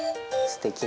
すてき。